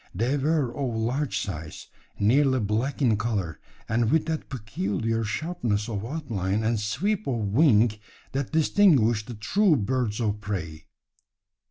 They were of large size, nearly black in colour, and with that peculiar sharpness of outline and sweep of wing that distinguish the true birds of prey.